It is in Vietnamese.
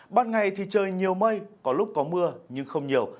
ban ngày thì trời nhiều mây có lúc có mưa nhưng không nhiều